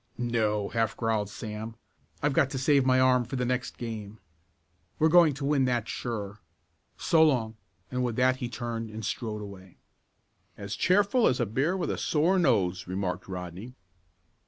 "No!" half growled Sam. "I've got to save my arm for the next game. We're going to win that sure. So long," and with that he turned and strode away. "As cheerful as a bear with a sore nose," remarked Rodney.